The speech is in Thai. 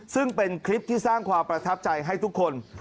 ซึ่งเป็นคลิปที่สร้างความประทับใจให้ทุกคน